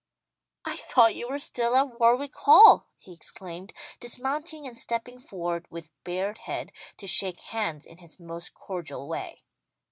"I thought you were still at Warwick Hall!" he exclaimed, dismounting and stepping forward with bared head, to shake hands in his most cordial way.